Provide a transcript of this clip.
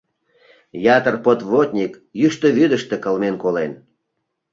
Ятыр подводник йӱштӧ вӱдыштӧ кылмен колен.